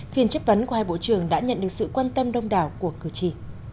phiên chất vấn của hai bộ trưởng đã nhận được sự quan tâm đông đảo của cử tri